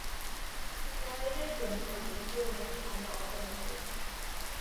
He provided them with improvements on the automobiles.